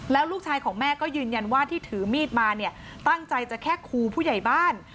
แล้วลูกชายของแม่ก็ยืนยันว่าที่ถือมีดมาเนี่ยตั้งใจจะแค่คูผู้ใหญ่บ้าน